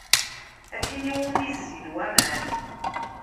A tin iwumi zzin waman.